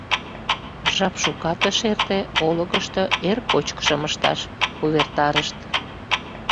Жап шукат ыш эрте, олыкышто эр кочкышым ышташ увертарышт.